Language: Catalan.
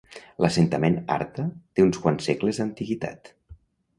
L'assentament Arta té uns quants segles d'antiguitat.